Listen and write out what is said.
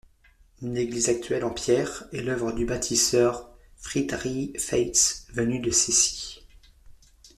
L'église actuelle, en pierres, est l'œuvre du bâtisseur Frīdrihs Feits venu de Cēsis.